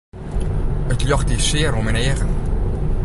It ljocht die sear oan myn eagen.